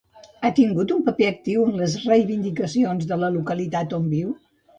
Ha tingut un paper actiu en les reivindicacions de la localitat on viu?